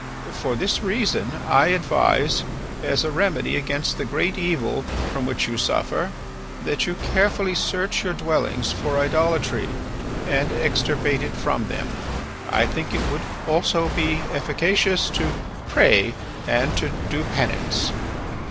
For this reason I advise, as a remedy against the great evil from which you suffer, that you carefully search your dwellings for idolatry, and extirpate it from them. I think it would be also efficacious to pray and do penance."